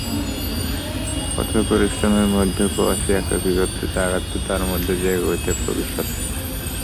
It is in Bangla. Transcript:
কঠোর পরিশ্রমের মধ্যেও প্রবাসে একাকিত্ব কাটাতে তাঁর মধ্যে জেগে ওঠে কবি সত্তা।